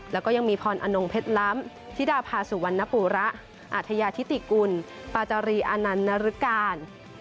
แล้วก็ยังมีพรอนงเพชรล้ำธิดาภาสุวรรณปูระอาทยาธิติกุลปาจารีอานันต์นรึการ